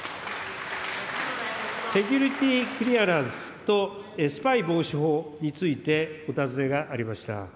セキュリティ・クリアランスとスパイ防止法についてお尋ねがありました。